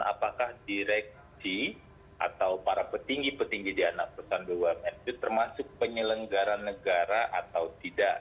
apakah direksi atau para petinggi petinggi di anak perusahaan bumn itu termasuk penyelenggaran negara atau tidak